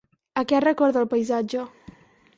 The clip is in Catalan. A què recorda el paisatge?